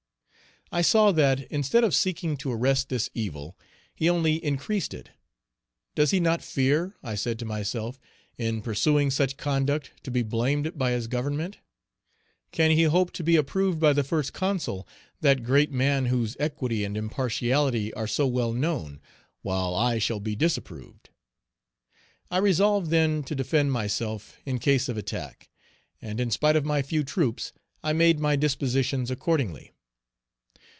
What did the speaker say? I saw that, instead of seeking to arrest this evil, he only increased it. "Does he not fear," I said to myself, "in pursuing such conduct, to be blamed by his Government? Can he hope to be approved by the First Consul, that great man whose equity and impartiality are so well known, while I shall be disapproved?" I resolved then to defend myself, in case of attack; and in spite of my few troops, I made my dispositions accordingly.